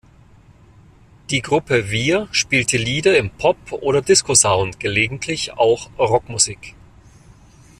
Die Gruppe Wir spielte Lieder im Pop- oder Discosound, gelegentlich auch Rockmusik.